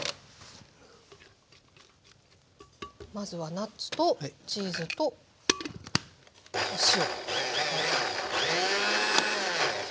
まずはナッツとチーズとお塩。